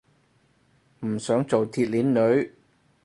唔想做鐵鏈女